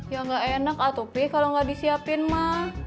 ya enggak enak ato pi kalau enggak disiapin ma